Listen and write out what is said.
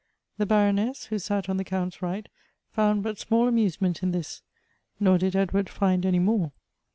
The Baroness, who sat on the Count's right, found but small amusement in this ; nor did Ed ward find any more.